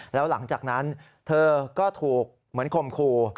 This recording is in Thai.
แล้วหลังจากนั้นเธอก็ถูกเหมือนคมคู่